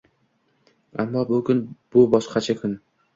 Аmmo bu kun – bu boshqacha kun